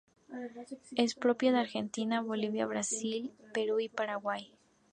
Es propia de Argentina, Bolivia, Brasil, Perú y Paraguay.